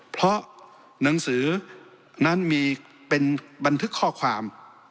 เพราะหนังสือนั้นมีเป็นบันทึกข้อความ